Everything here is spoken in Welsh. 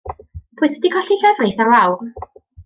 Pwy sy' 'di colli llefrith ar lawr?